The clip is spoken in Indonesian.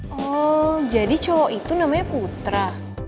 oh jadi cowok itu namanya putra